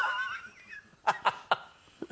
ハハハハ。